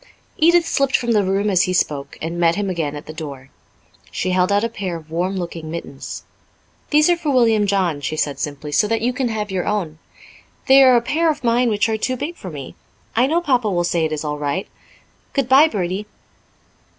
Edith slipped from the room as he spoke, and met him again at the door. She held out a pair of warm looking mittens. "These are for William John," she said simply, "so that you can have your own. They are a pair of mine which are too big for me. I know Papa will say it is all right. Goodbye, Bertie."